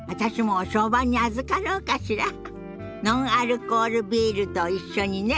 ノンアルコールビールと一緒にね。